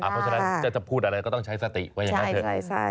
เพราะฉะนั้นจะพูดอะไรก็ต้องใช้สติว่าอย่างนั้นเถอะ